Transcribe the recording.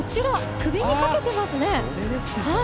首にかけてますね。